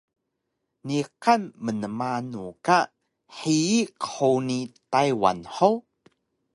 Niqan mnmanu ka hiyi qhuni Taywan hug?